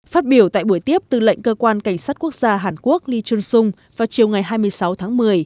phát biểu tại buổi tiếp tư lệnh cơ quan cảnh sát quốc gia hàn quốc lee chung sung vào chiều ngày hai mươi sáu tháng một mươi